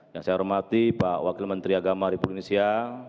yang saya hormati pak wakil menteri agama republik indonesia